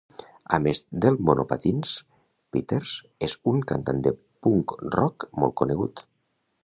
A més del monopatins, Peters és un cantant de punk rock molt conegut.